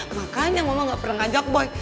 makanya mama nggak pernah ngajak boy